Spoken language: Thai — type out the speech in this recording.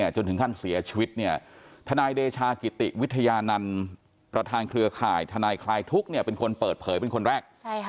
จนถึงขั้นเสียชีวิตทนายเดชากิติวิทยานันต์ประธานเครือข่ายทนายคลายทุกข์เป็นคนเปิดเผยเป็นคนแรก